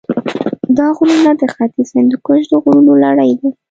دا غرونه د ختیځ هندوکش د غرونو لړۍ ده.